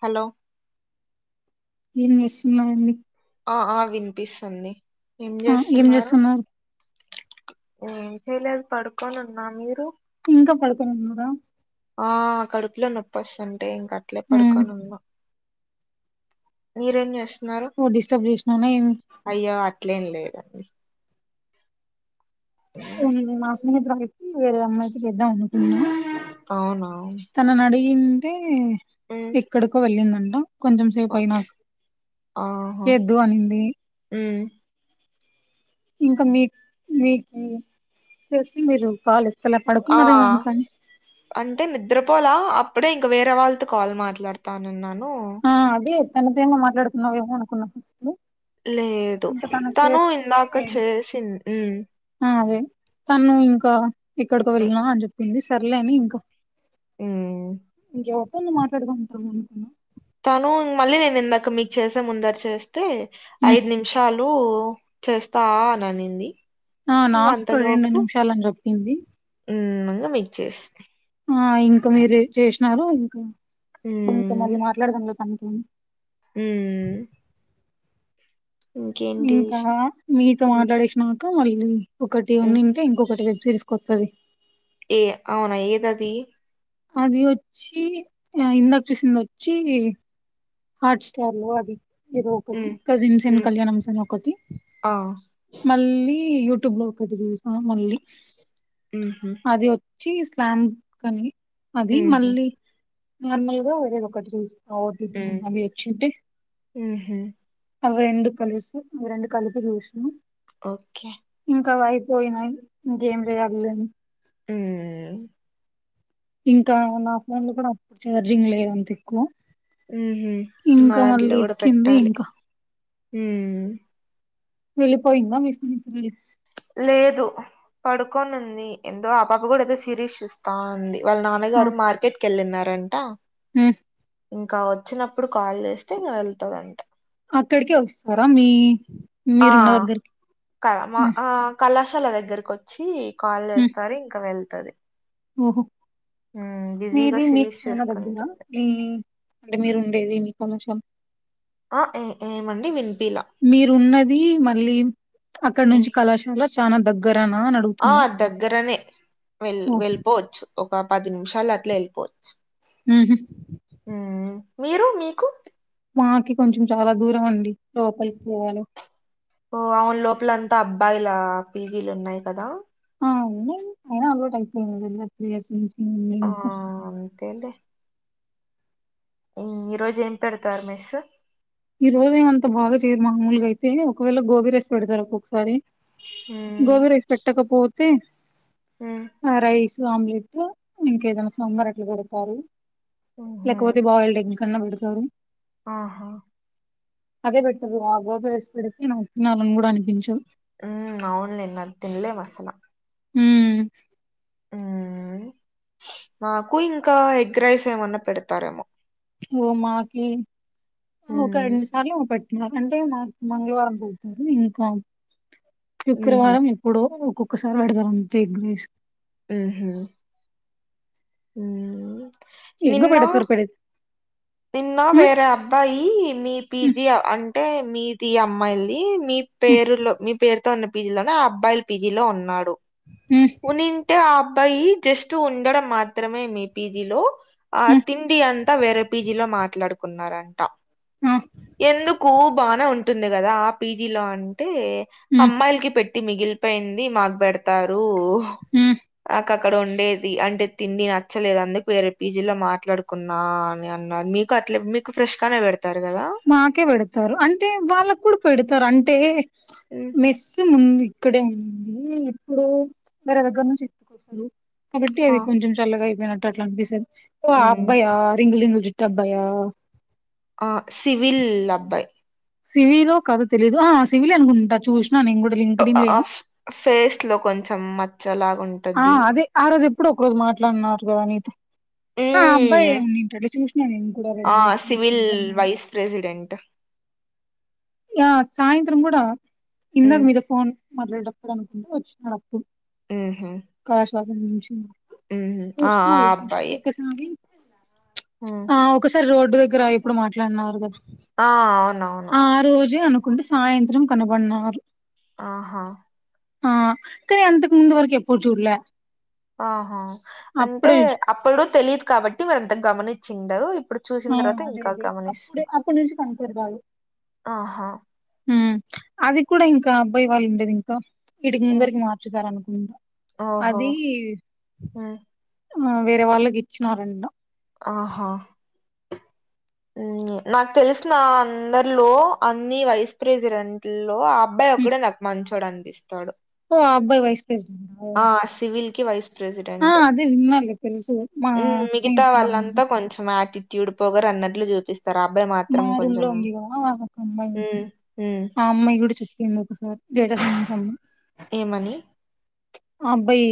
Hello నేన్ జేస్తున్న అండీ ఆ ఆ వినిపిస్తుంది ఏం ఆ ఏం చేస్తున్నారు ఏం చేయలేదు పడుకొని ఉన్నా మీరు ఇంకా పడుకొనివున్నారా ఆ కడుపులో నొప్పస్తుంటే ఇంక అట్లే ఉమ్ పడుకని ఉన్న మీరేమ్ చేస్తున్నారు నువ్ డిస్టర్బ్ చేసినాన ఏం అయ్యో అట్లేం లేదండి ఉ మా సిమ్ [unintelligible] వేరేది అమ్మాయి చేద్దాం అనుకున్నా అవునా ఉమ్ తనను అడిగింటే ఎక్కడికో వెళ్ళిందంట కొంచం సేపు ఆ- అయినాక ఆహా చెధ్ దు అనింది ఉమ్ ఇంకా మీక్ మీకు చేస్తె మీరు కాలు ఎత్తలా ఆ పడుకున్నారేమో ఇంకాని అంటే నిద్రపోలా అప్పుడే ఇంక వేరే వాళ్ళతో కాల్ మాట్లాడతానన్నాను ఆ అదే తన తనే మాట్లాడుతున్నావేమో అనుకున్నా ఫస్ట్ లేదు ఇంకా తనకు తను ఇందాక చేస్తే చేసిం ఉ ఆ అదే తను ఇంకా ఎక్కడికొ ఉమ్ వెళ్ళిన అని చెప్పింది సర్లేని ఇంకా ఎమి ఎవరితోనో మాట్లాడుకుంటారు మనతోని తాను మళ్ళీ నేను ఇందాక మీకు చేసే ముందర చేస్తే హ్మ్. ఐదు నిమిషాలు రూ చేస్తా అని అనింది ఆ ఇంక నాకు రెండు నిమిషాలని చెప్పింది ఇంగా మీక్ చేేసి ఆ ఇంకా మీరె చేసినారు ఇంకా ఇంకా మ్మ్ మల్లి మాట్లాడదం లే తన తోని ఊ ఇంకా విష్ మీతో మ్మ్ మాట్లాడేసినక మళ్ళీ ఒకటి మ్మ్ ఉన్నింటే ఇంకొకటి వెబ్ సిరీస్ కొ తది ఏ అవునా ఏదది అది వచ్చి ఆ ఇందక చేసింది వచ్చి హాట్ స్టార్ లో అది ఏదో ఒకటి మ్మ్ కజిన్ సీన్ మ్మ్ కళ్యాణం సీన్ ఒకటి ఆ మళ్ళీ యూట్యూబ్ లో ఒకటి చేసా మళ్ళీ ఊహు అది వచ్చి స్లామ్ కని అది మ్హూ మళ్ళీ నార్మల్ గా వేరేదొకటి చూస్తా ఓటిపి మ్మ్ అవి వచ్చింటి మ్హూ అవి రెండు కలుసు అవి రెండు కలపి జూష్ణం ఓకే ఇంకా అవి అయిపోయినాయి ఇంకా ఏం లేదు అగలేను ఊ ఇంకా నా ఫోన్ లో కూడా అప్పుడు ఛార్జింగ్ లేదు అంత ఎక్కొ ఉహు నా దాంట్లో కూడా ఎక్కింది పెట్టాలి ఇంకా ఊ వెళ్లిపోయిందా మీ ఫ్రెండ్ తిరిగి లేదు పడుకోని ఉంది ఎందో ఆ పాప కూడా ఏదొ సిరీస్ చూస్ తాంది వాళ్ళ నాన్నగారు మార్కెట్ కి వెళ్ళినారంట ఉ ఇంకా వచ్చినప్పుడు కాల్ చేస్తే ఇంగ వెళ్తదంట అక్కడికే వస్తారా మీ ఆ మీరున్న దగ్గరికి కరమా ఆ కళాశాల దగ్గరకు వచ్చి కాల్ ఉమ్. చేస్తారి ఇంక వెళ్తది ఓహో మ్మ్ బిజీగా మీది మీకు సిరీస్ చానా దగ్గరా చూసుకుంటుంది మీ అంటే మీరు ఉండేది మీ కొంచెం ఆ ఏ ఏమండి వినిపీల మీరున్నది మళ్ళీ అక్కడ నుంచి కళాశాల చానా దగ్గరనా అ ఆ దగ్గరనే వెల్ ఓ, వెళ్ళిపోవచ్చు ఒక పది నిమిషాలు అట్ల వెళ్ళిపోవచ్చు మ్మ్ హు మ్మ్ మీరు మీకు మాకి కొంచెం చాలా దూరం అండి లోపలికి పోవల ఓ అవున్ లోపలంతా అబ్బాయిల పీ జీ లు ఉన్నాయి కదా ఆ ఉన్నాయి అయినా అలవాటైపోయినాయి వెళ్ళచు త్రీ ఇయర్స్ నుంచ్ ఆ అంతేలే ఈ ఈరోజు ఏం పెడతారు మెస్ ఈరోజ ఏమంతా బాగా చేయరు మామూలుగా అయితే ఒకవేళ గోబీ రైస్ పెడతారు ఒక్కొక్కసారి మ్మ్ గోబీ రైస్ పెట్టకపోతే మ్మ్ ఆ రైసు సు ఆమ్లెట్ ఇంకేదైనా సాంబార్ అట్లా పెడతారు ఊహూ లేకపోతే బాయిల్డ్ ఎగ్ న్న పెడతారు ఆహా అదే పెడతారు ఆ గోబీ రైస్ పెడితే నాకు తినాలనికూడా అనిపించదు మ్మ్ అవునులే అది తినలేము అసల మ్మ్ మ్మ్ మాకు ఇంకా ఎగ్ రైస్ ఏమన్నా పెడతారేమో ఓ మాకి ఒక మ్మ్ రెండు సార్లు పట్ మాఅంటే మా మంగళవారం పోతారు ఇంకా ఊహూ శుక్రవారం ఎప్పుడో ఒక్కొక్కసారి పెడతారు అంతే ఎగ్ రైస్ మ్మ్ హు మ్మ్ ఎగ్గు నిన్న పెడతారు పెడితే నిన్న వేరే అబ్బాయి మీ పీ జీ అంటే మీది అమ్మాయిల్ది మీ పేరులో మీ పేరుతో ఉన్న పీ జీ లోనే ఆ అబ్బాయిల పీజీలో ఉన్నాడు మ్మ్ ఉన్నింటే ఆ అబ్బాయి జస్ట్ ఉండడం మాత్రమే మీ పి జీలో ఆ తిండి అంతా వేరే పీ జీలో మాట్లాడుకున్నారంట ఆ ఎందుక్ కు బానే ఉంటుంది కదా ఆ పీ జీలో అంటే హ్మ్ అమ్మాయిలకి పెట్టి మిగిలిపోయింది మాకు పెడతారు మ్మ్ నాకు అక్కడ ఉండేది అంటే తిండి నచ్చలేదు అందుకు వేరే పీ జీ లో మాట్లాడుకున్నా అని అన్నారు మీ అట్లే మీకు ఫ్రెష్ గానే పెడతారు కదా మాకి పెడతారు అంటే వాళ్ళకు కూడా పెడతారు అంటే ఉమ్, మెస్సు ఉంది ఇక్కడే ఉంది ఎప్పుడు వేర దగ్గర నుంచి ఎత్తుకొస్తారు కాబట్టి ఆ అది కొంచెం చల్లగా అయిపోయినట్టు అట్లా అనిపిస్తది ఓ ఆ ఉమ్, అబ్బాయా రింగులరింగుల జుట్టు అబ్బాయా ఆ సివిల్ అబ్బాయి సివిలో కాదో తెలీదు ఆ సివిల్ అనుకుంటా చూసినా నేను కూడా లింక్డిన్ లో ఆ ఏమో ఫేస్ లో కొంచెం మచ్చలాగా ఉంటది ఆ అదే ఆ రోజు ఎప్పుడు ఒక రోజు మాట్లాడిన్నారు కదా నీతో ఆ అబ్బాయి ఉమ్, ఏం తింటాడు చూసినాను కూడా ఆ! రెండు మూడు సివిల్ కనబడిండు వైస్ ప్రెసిడెంట్ ఇగ సాయంత్రం కూడా కింద హ్మ్. మీద ఫోన్ మాట్లాడేటప్పుడు అనుకుంటూ వచ్చినడు అప్పుడు ఆహు వాళ్ళ షాపింగ్ చూసిండు ఆ! చూసిన ఆ అటు అబ్బాయే. ఒక్కసారి హ్మ్. ఆవ్ ఒకసారి రోడ్డు దగ్గర ఇప్పుడు మాట్లాడినన్నారు కదా ఆ అవును అవును ఆ రోజే అనుకుంటే సాయంత్రం కనబడినరు ఆహా ఆ కానీ అంతకు ముందు వరకు ఎప్పుడు చూడలే ఆహా అంటే అప్పుడే అప్పుడు తెలిదు కాబట్టి మీరు ఎంత గమనించి ఉండరు ఇప్పుడు ఆ చూసిన తర్వాత అదే ఇంకా అదే అప్పుడే గమనిస్తున్నారు అప్పటి నుంచి కనపడరు వాళ్ళు ఆహా అది కూడా ఇంకా అబ్బాయి వాళ్ళు ఉండేది ఇంకా ఇడికి హ్మ్. ముందరికి మార్చుతారు అనుకుంటా ఓహో! అది హ్మ్. వేరే వాళ్ళకి ఇచ్చినారండి ఆహా నాకు తెలిసిన అందరిలో అన్ని వైస్ ప్రెసిడెంట్ లో అబ్బాయి ఉమ్, ఒకడే నాకు మంచోడు అనిపిస్తాడు ఓ ఆ అబ్బాయి వైస్ ప్రెసిడెంట్ ఆ సివిల్ కి వయసు ఆ ప్రెసిడెంట్ అదే విన్నాలే తెలుసు మా ఊ మిగతా స్నేహితురాలు వాళ్ళంతా కొంచెం యాటిట్యూడ్ వీడుపోగారు అన్నట్లు చూపిస్తారు అబ్బాయి మా మాత్రం రూమ్ లో కొంచెం ఉంది కదా ఒక అమ్మాయి ఆ అమ్మాయి కూడా చెప్పింది ఒకటి ఉద్యోగం గురించి ఏమని అబ్బాయి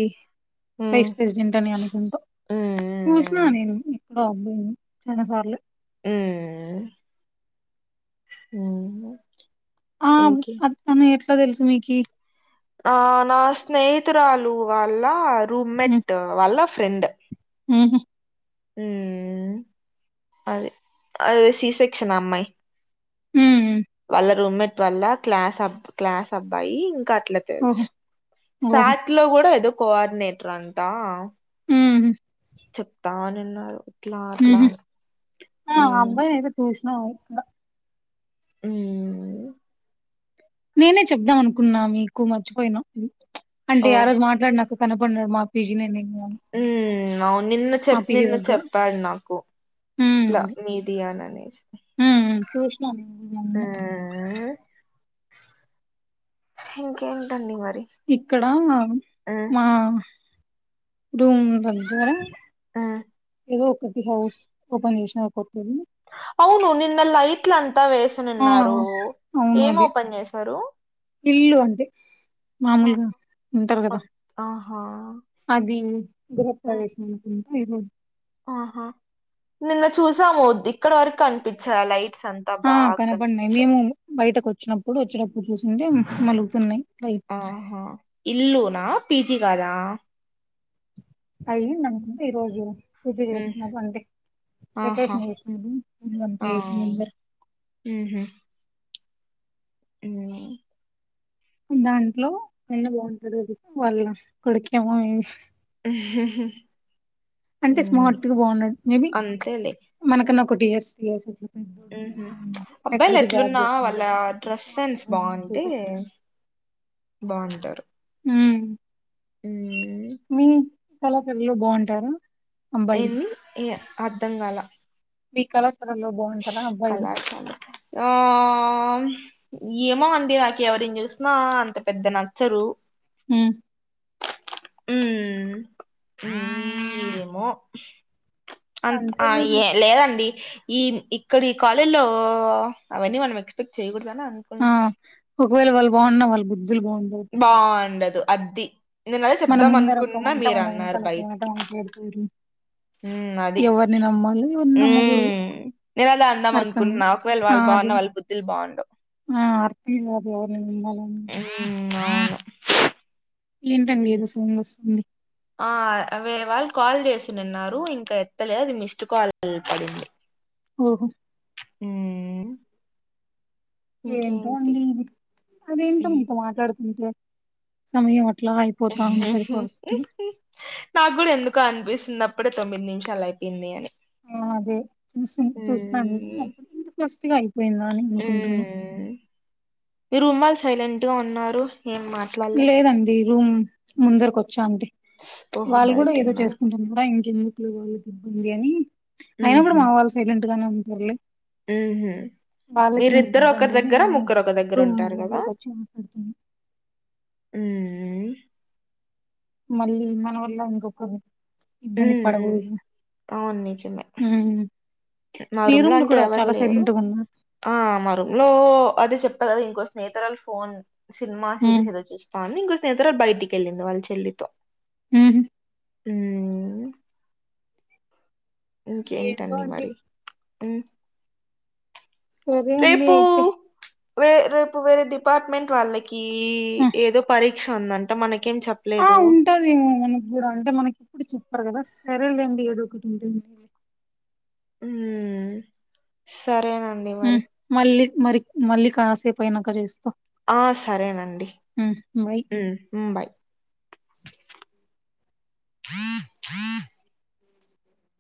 హ్మ్. వైస్ ప్రెసిడెంట్ అని అనుకుంటా హ్మ్. చూసినా హ్మ్. నేను ఆ అబ్బాయి రెండు సార్లు ఉ ఉ హు ఇంకే అన్న ఎట్లా తెలుసు మీకి ఆ నా స్నేహితురాలు వాళ్ళ రూమ్మేట్ వాళ్ళ ఫ్రెండ్ ఉ హు ఉ అదే అది శీసేక్షన్ అమ్మాయి ఉ హు వాళ్ళ రూమ్మేట్ వల్ల క్లాస్ అ క్లాస్ అబ్బాయి ఇంకా అట్లా ఓహో తెలుసు ఓహో సాత్ లో కూడా ఏదో కోఆర్డినేటర్ అంటా ఉ హు చెప్తా అని అన్నారు అట్లా అట్లా అని లేచినవా ఇక్కడ ఉ నేనే చెబదాం అనుకున్నా మీకు మర్చిపోయిను అంటే ఆ ఓహ్! రోజు మాట్లాడినాక కనబడేది మా పిజీనో ఏమో ఉ అవును నిన్న చెప్ప నిన్న దగ్గర చెప్పాడు నాకు అట్లా ఉమ్ మీదియాన అనేసి చూశ్న ఇంకేంటండి మరి ఇక్కడా హ్మ్. మా రూమ్ దగ్గర హ్మ్. ఏదో ఒకటి హౌస్ ఓపెన్ జేశ్నా కొత్తది అవును నిన్న లైట్ ఇట్లంతా ఆ వేసినున్నారు అవును ఏం అది ఓపెన్ జేసారు ఇల్లు అన్ ఆ! మాముల్గ ఉంటర్ గద అక్ ఆహా అది హ్మ్. గృహప్రవేశం [unintelligible] ఆహా నిన్న చూసాము ద్దిక్కడ వరక్ కన్ పిచ్చ లైట్స్ అంతా బా కన్పిచ్చయ్ బయటక్ వచ్చినప్పుడు వచ్చినప్పుడు చూసినుంటే మలుగుతున్నాయ్ లైట్స్ ఇల్లు నా పీజీ గాదా అయ్యిందన్కుంట ఈరోజు పూజ హ్మ్. జేసినడు అంటే ఆహా! డెకేషన్ జేసినడు ఇ [unintelligible] నంబర్ ఉహు ఉమ్ మా దాంట్లో ఎన్న బాగుంటదో [unintelligible] వాళ్ళిగా కొడుకేమో హ్మ్. అంటే హ్మ్ స్మార్ట్ గా బా ఉన్నాడు మేబి అంతేలే మనకన్నా ఒకటీ ఇయర్స్ తీయస్ అట్లా పెద్దోడు ఉహు ఉంటాడేమో అంతే అబ్బాయిల్ లేకపోతే జాబ్ ఎట్లున్నా వాళ్ళ చేస్తాంటాడు డ్రెస్ సెన్స్ బా ఉంటే బా ఉంటరు ఉం మీ కలశాల్యు బా ఉంటారా ఏమ్ ఏ అర్థం గల మీ కళాశాలల్లో బా ఉంటారా అబ్బాయిల్ కళాశాల ఆ ఆమ్ ఏమో అండి నాక్ ఎవరిన్ జూస్నా అంత పెద్ద నచ్చరు ఉ ఏమో అంత్ ఆ అంతేలే ఈమ్ ఇక్కడ ఈ కాలేల్లో ఓ అవన్నీ మనం ఎక్స్పెక్ట్ చేయ్యగూడదన్ అన్ ఆ ఒక్వేళ వాళ్ళు బావున్న వాళ్ళ బుద్దుల్ బా ఉండవ్ బా ఉండదు అద్ది నేను మన చెప్దాం ముందర ఒక అన్కున్నా మాట మీరే మన అన్నారు వెనకాల ఒక మాట బయ్టికి మాట్లాడతారు అది ఎవరిని నమ్మాలి ఎవరిని నమ్మకూడదు నేను అలా అందాం అర్థం అనుకున్నా కాదు ఒక్వేళ్ వాళ్ బా ఉన్న వాళ్ బుద్దుల్ బా ఉండవ్ ఆ అర్తి అదే [unintelligible] ఉమ్ అవును ఏంటండి ఉమ్. ఏదో సౌండ్ వస్సుంది ఆ వేరే వాళ్ కాల్ జేసినున్నారు ఇంక ఎత్తలే అది మిస్ట్ కాల్ ల్ పడింది. ఓహో ఉమ్ ఏంటో ఇంకేంటి అండి ఇది అదేంటో ఉమ్. మీతో మాట్లాడుతుంటే సమయం అట్లా అయ్ పోతా ఉంటంది ఫస్టు నాగ్గూడ ఎందుకో అన్పిస్సుంది అప్పుడే తొమ్మిద్ నిమ్షాల్ అయ్పోయింది అని ఆ అదే చూసి చూసాం ఉమ్ అప్పుడు ఫస్ట్గా అయిపోయిందనుకుంటున్నాం మీరుూమ్వాళ్ళు సైలెంట్గా ఉన్నారు ఏం మా లేదండి రూమ్ ముందర్కోచ్చా అంతే ఓహో వాళ్ళు గూడా బయట ఏదో ఉన్నారు చేసుకుంటున్నారా ఇంకెందుకు ఇబ్బంది అని అయినా కూడా ఉహు మా వాళ్ళు సైలెంట్గానే ఉంటరులే ఉహు వాళ్ళకెందుకు మీరిద్దరు ఒకరి ఇబ్బంది అని దగ్గర నేనే ముగ్గురు ఒక దగ్గర రూమ్ ఉంటారు కదా ముందరకి వచ్చాను ఉహూ ఉమ్ మళ్ళీ మన వల్ల ఇంకొకరు ఉమ్ ఇబ్బంది ఉమ్ పడకుడుదు హు నా రుమ్లో అంటే ఎవరూ లేరు గా ఉన్నారు ఆ మా రుమ్లో అదే చెప్పా కదా ఇంకో స్నేహితరాలు ఫోన్ సినిమా ఉమ్ సీరిస్ ఏదో చూస్తాంది ఇంకో స్నేహితరా బయటికి వెళ్ళింది వాళ్ళ చెల్లితో ఊహు ఊ ఏంటో ఇంకేంటండి అండి మరి ఉ సరే అండి రేపు అయితే వే రేపు వేరే డిపార్ట్మెంట్ వాళ్ళకీ ఈ ఆ ఏదో పరీ క్ష ఉందట మనకేం ఆ చెప్లేదు ఉంటదేమో మనక్గూడా అంటే మనకి ఇప్పుడు చెప్పరు గద సరేలేండి ఏదో ఒకటి ఉంటుంది ఊ సరేనండి ఉమ్, మరి మళ్ళీ మరి మళ్ళీ కాసేపు అయినాక చేస్తా ఆ సరేనండి బాయ్ ఉమ్ ఉమ్ బాయ్ హ హ